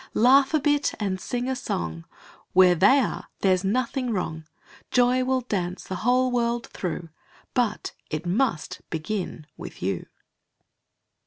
Laugh a Bit and Sing a Song, Where they are there's nothing wrong; Joy will dance the whole world through, But it must begin with you.